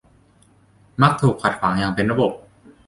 มักถูกขัดขวางอย่างเป็นระบบ